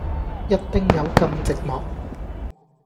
一丁友咁寂寞